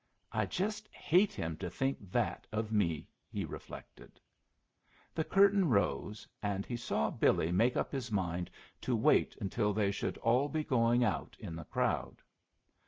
"I just hate him to think that of me," he reflected. The curtain rose, and he saw Billy make up his mind to wait until they should all be going out in the crowd.